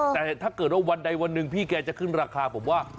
แต่ถ้าเกิดว่าวันใดวันหนึ่งพี่แกจะขึ้นราคาผมว่า